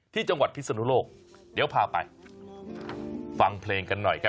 ที่จังหวัดพิศนุโลกเดี๋ยวพาไปฟังเพลงกันหน่อยครับ